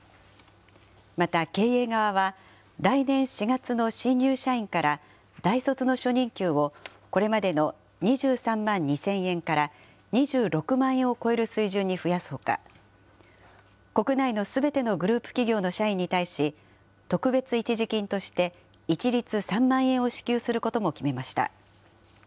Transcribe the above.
また、経営側は来年４月の新入社員から、大卒の初任給をこれまでの２３万２０００円から、２６万円を超える水準に増やすほか、国内のすべてのグループ企業の社員に対し、特別一時金として、一律３万円を支給することも決めました。